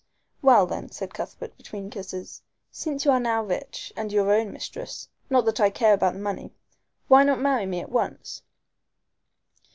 "Well, then," said Cuthbert, between kisses, "since you are now rich and your own mistress not that I care about the money why not marry me at once?"